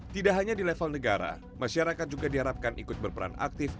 tidak hanya di level negara masyarakat juga diharapkan ikut berperan aktif